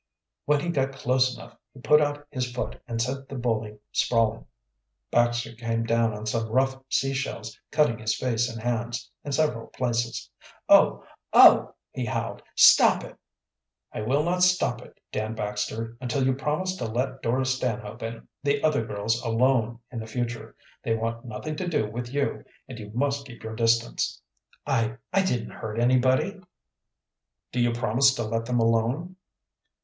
When he got close enough, he put out his foot and sent the bully sprawling. Baxter came down on some rough sea shells, cutting his face and hands in several places. "Oh! oh!" he howled. "Stop it!" "I will not stop it, Dan Baxter, until you promise to let Dora Stanhope and the other girls alone in the future. They want nothing to do with you, and you must keep your distance." "I I didn't hurt anybody." "Do you promise to let them alone?"